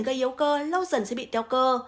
gây yếu cơ lâu dần sẽ bị teo cơ